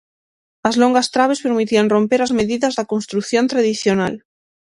As longas trabes permitían romper as medidas da construción tradicional.